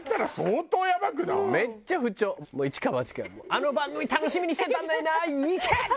「あの番組楽しみにしてたんだよないけ！」。